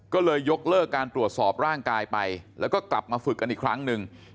ก็เลยยกเลิกการตรวจสอบร่างกายไปแล้วก็กลับมาฝึกกันอีกครั้งหนึ่ง